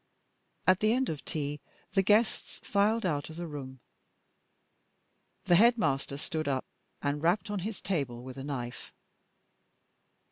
At the end of tea the guests filed out of the room. The headmaster stood up and rapped on his table with a knife.